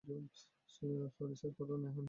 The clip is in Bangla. সরি স্যার কত নিয়েছিস ওর থেকে?